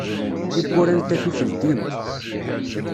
Tiwurra n tatut ldint.